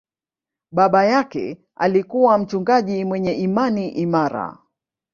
Baba yake alikuwa mchungaji mwenye imani imara.